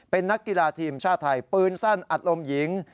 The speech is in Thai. เป็นนักกีฬาทีมชาติไทยปืนสั้นอัดลมหญิง